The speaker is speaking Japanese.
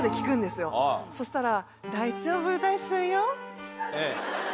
そしたら。